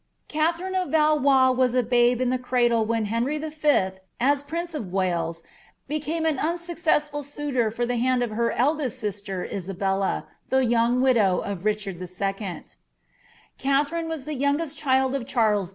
Katherine of Valois was a babe in the cradle when Henry V., at prince of Wales, became an unsuccessful suitor for the hand of her eldest •ister Isabella, the young widow of Richard W Katherine was the youngest child of Charles VJ.